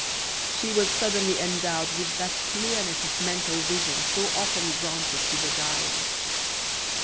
She was suddenly endowed with that clearness of mental vision so often granted to the dying.